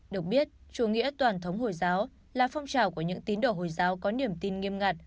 được biết chủ nghĩa toàn thống hồi giáo là phong trào của những tín đồ hồi giáo có niềm tin nghiêm ngặt